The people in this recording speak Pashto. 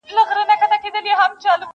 بې موجبه خوار کړېږې او زورېږي,